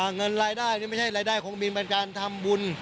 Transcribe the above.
เงินรายได้นี่ไม่ใช่รายได้ของบินเป็นการทำบุญ